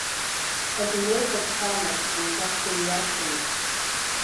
Адунеи хәаԥсама, зынӡа ҳдырҩашьома?!